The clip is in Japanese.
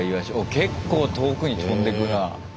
結構遠くに飛んでくな。